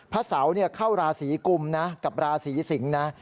พระเสาเข้าราศีกุมนะกับราศีสิงศ์นะ